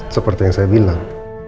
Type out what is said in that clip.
seperti yang saya bilang